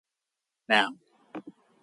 Now.